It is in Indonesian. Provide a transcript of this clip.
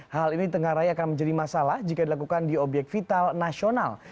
hal ini di tengah raya akan menjadi masalah jika dilakukan di obyek vital nasional